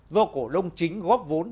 do cổ đông chính góp vốn